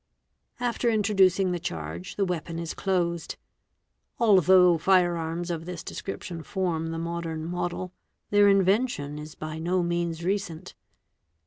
After introducing the charge, the weapon is closed. Although fire arms of this description form the modern model, their invention is by no means recent.